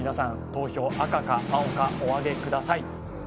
投票赤か青かおあげください